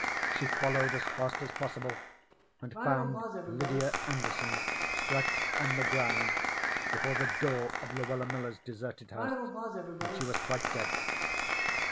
She followed as fast as possible and found Lydia Anderson stretched on the ground before the door of Luella Miller's deserted house, and she was quite dead.